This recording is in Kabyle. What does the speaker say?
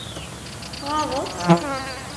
Tɣaḍeḍ-t?